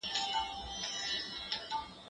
زه به اوږده موده د کتابتون پاکوالی کړی وم!!